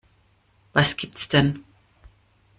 Was gibt's denn?